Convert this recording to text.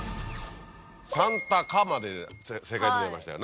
「さんたか」まで正解出てましたよ